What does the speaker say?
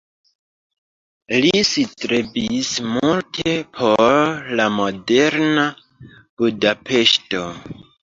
Li strebis multe por la moderna Budapeŝto.